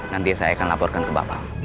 nanti saya akan laporkan ke bapak